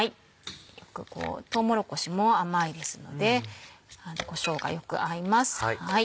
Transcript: とうもろこしも甘いですのでこしょうがよく合います。